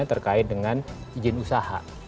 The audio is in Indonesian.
terkait dengan izin usaha